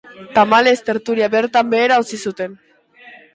Tamalez, tertulia bertan behera utzi zuten.